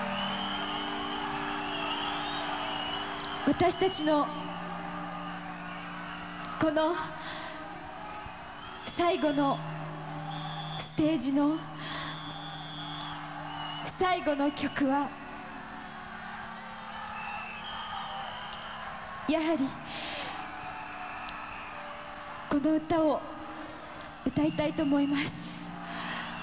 私たちのこの最後のステージの最後の曲はやはりこの歌を歌いたいと思います。